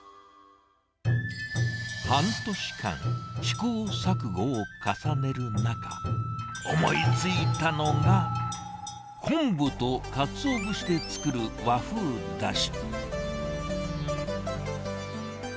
半年間、試行錯誤を重ねる中、思いついたのが、昆布とカツオ節で作る和風だし。